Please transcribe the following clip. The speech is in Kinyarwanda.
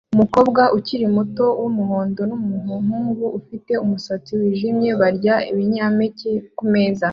Umukobwa ukiri muto wumuhondo numuhungu ufite umusatsi wijimye barya ibinyampeke kumeza